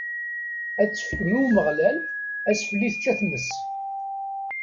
Ad tefkem i Umeɣlal asfel i tečča tmes.